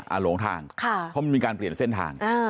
อ่าโหลงทางเขามีการเปลี่ยนเส้นทาง